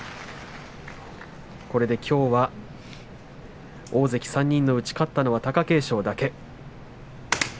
これで、きょうは大関３人のうち勝ったのは貴景勝だけ。